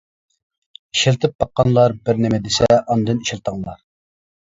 ئىشلىتىپ باققانلار بىر نېمە دېسە ئاندىن ئىشلىتىڭلار.